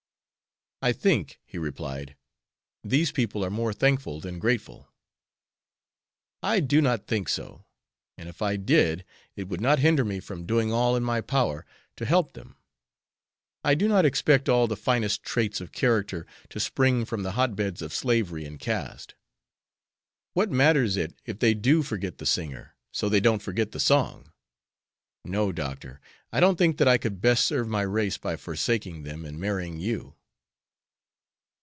"I think," he replied, "these people are more thankful than grateful." "I do not think so; and if I did it would not hinder me from doing all in my power to help them. I do not expect all the finest traits of character to spring from the hot beds of slavery and caste. What matters it if they do forget the singer, so they don't forget the song? No, Doctor, I don't think that I could best serve my race by forsaking them and marrying you."